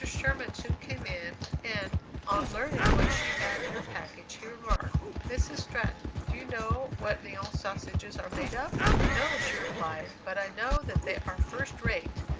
Sherman soon came in, and, on learning what she had in her package, he remarked: "Mrs. Stratton, do you know what Lyons sausages are made of?" "No," she replied; "but I know that they are first rate!"